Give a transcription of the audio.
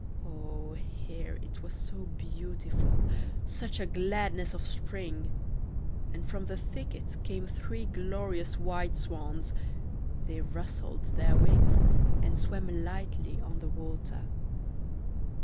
O, here it was so beautiful, such a gladness of spring! and from the thicket came three glorious white swans; they rustled their wings, and swam lightly on the water.